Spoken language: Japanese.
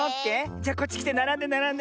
じゃこっちきてならんでならんで。